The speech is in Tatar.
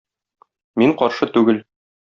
Мин каршы түгел.